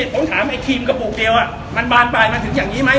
ผมถามไอ้ครีมกระปุกเดียวมันบานปลายมาถึงอย่างนี้ไหม